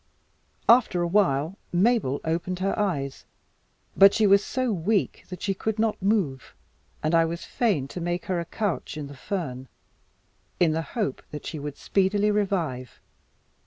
After a while, Mabel opened her eyes, but she was so weak that she could not move, and I was fain to make her a couch in the fern, in the hope that she would speedily revive.